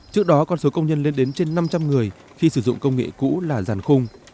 trước đó con số công nhân lên đến trên năm trăm linh người khi sử dụng công nghệ cũ là giàn khung